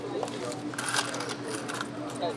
Dhana hiyo iliasisiwa kupitia kitabu chake cha blue Ecomomy